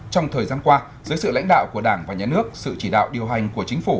trong thời gian qua dưới sự lãnh đạo của đảng và nhà nước sự chỉ đạo điều hành của chính phủ